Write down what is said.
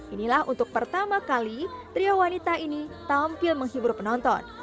inilah untuk pertama kali pria wanita ini tampil menghibur penonton